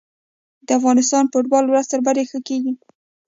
د افغانستان فوټبال ورځ تر بلې ښه کیږي.